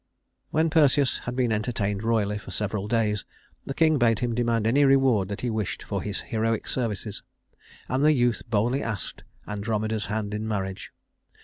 When Perseus had been entertained royally for several days, the king bade him demand any reward that he wished for his heroic services; and the youth boldly asked Andromeda's hand in marriage.